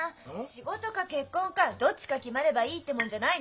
仕事か結婚かはどっちか決まればいいってもんじゃないの。